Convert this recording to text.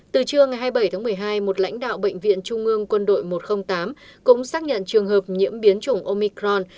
từ trưa ngày hai mươi bảy tháng một mươi hai một lãnh đạo bệnh viện trung ương quân đội một trăm linh tám cũng xác nhận trường hợp nhiễm biến chủng omicron